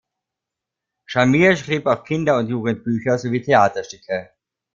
Schamir schrieb auch Kinder- und Jugendbücher sowie Theaterstücke.